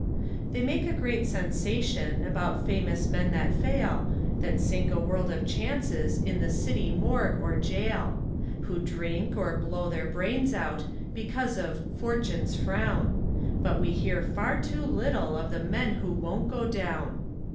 They make a great sensation About famous men that fail, That sink a world of chances In the city morgue or gaol, Who drink, or blow their brains out, Because of "Fortune's frown". But we hear far too little Of the men who won't go down.